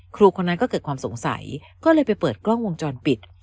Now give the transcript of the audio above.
ครูคนนั้นก็เกิดความสงสัยก็เลยไปเปิดกล้องวงจรปิด